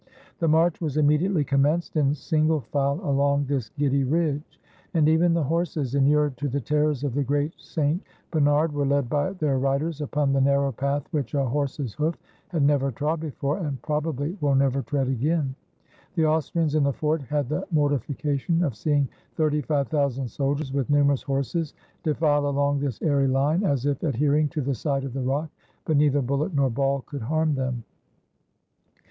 The march was immediately commenced , in single file, along this giddy ridge. And even the horses, inured to the terrors of the Great St. Bernard, were led by their riders upon the narrow path which a horse's hoof had never trod before, and probably will never tread again. The Austrians in the fort had the mortification of seeing thirty five thousand soldiers, with numerous horses, de file along this airy line, as if adhering to the side of the rock, but neither bullet nor ball could harm them.